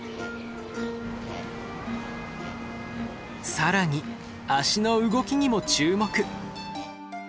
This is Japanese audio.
更に足の動きにも注目！